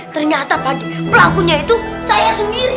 ternyata pada pelakunya itu saya sendiri